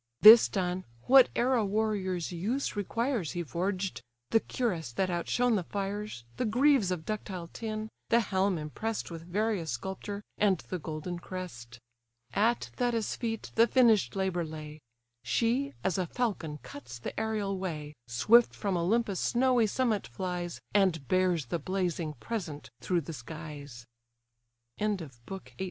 This done, whate'er a warrior's use requires He forged; the cuirass that outshone the fires, The greaves of ductile tin, the helm impress'd With various sculpture, and the golden crest. At Thetis' feet the finished labour lay: She, as a falcon cuts the aerial way, Swift from Olympus' snowy summit flies, And bears the blazing present through the skies. BOOK XIX.